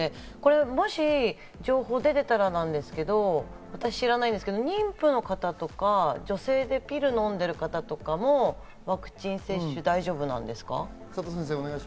もし情報が出てたらなんですけど、私知らないですけど、妊婦の方とか、女性でピルをのんでる方とかも、ワクチン接種、大丈夫なんですか？